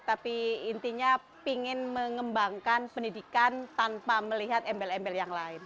tapi intinya ingin mengembangkan pendidikan tanpa melihat embel embel yang lain